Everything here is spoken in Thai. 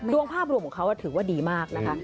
ดวงภาพรวมของเขาถือว่าดีมากนะคะ